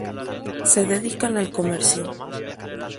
Se dedican al comercio.